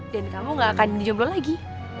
dan kamu gak akan di jomblo lagi